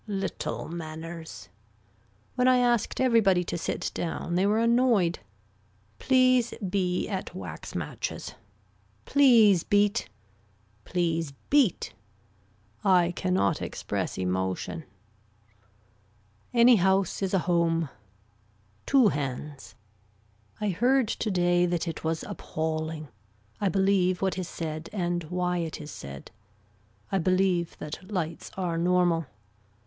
Little manners. When I asked everybody to sit down they were annoyed. Please be at wax matches. Please beat. Please beat. I cannot express emotion. Any house is a home. Two hands. I heard today that it was appalling. I believe what is said and why it is said. I believe that lights are normal.